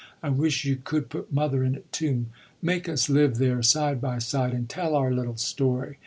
I wish you could put mother in too; make us live there side by side and tell our little story.